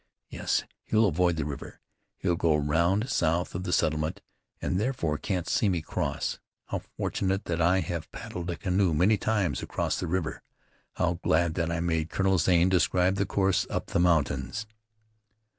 Yes, he'll avoid the river; he'll go round south of the settlement, and, therefore, can't see me cross. How fortunate that I have paddled a canoe many times across the river. How glad that I made Colonel Zane describe the course up the mountains!"